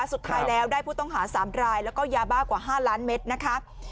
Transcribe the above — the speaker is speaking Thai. สุดท้ายแล้วได้ผู้ต้องหา๓รายแล้วก็ยาบ้ากว่า๕ล้านเมตรนะคะ